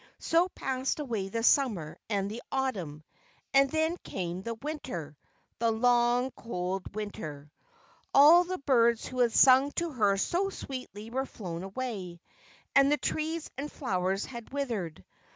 So passed away the Summer and the Autumn, and then came the Winter, the long, cold Winter. All the birds who had sung to her so sweetly were flown away, and the trees and the flowers had withered.